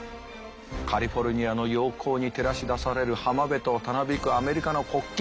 カリフォルニアの陽光に照らし出される浜辺とたなびくアメリカの国旗。